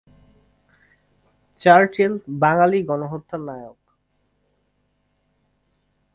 Churchill বাঙালি গণহত্যার নায়ক।